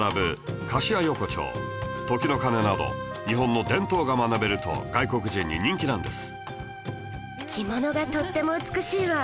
横丁時の鐘など日本の伝統が学べると外国人に人気なんです